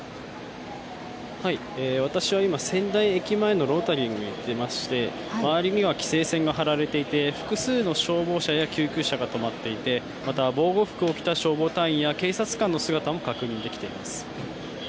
私は今、仙台駅前のロータリーにいまして周りには規制線が張られていて複数の消防車や救急車が止まっていて、また防護服を着た消防隊員や警察官の姿も確認できています。